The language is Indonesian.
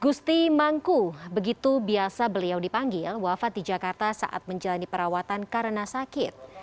gusti mangku begitu biasa beliau dipanggil wafat di jakarta saat menjalani perawatan karena sakit